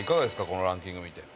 このランキング見て。